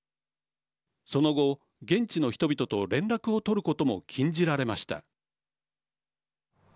その後、現地の人々と連絡を取ることも禁じられました。